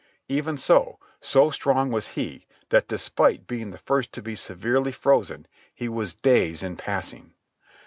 Even so, so strong was he that, despite being the first to be severely frozen, he was days in passing.